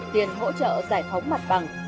tiền hỗ trợ giải phóng mặt bằng